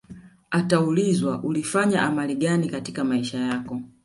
utaulizwa ulifanya amali gani katika maisha yako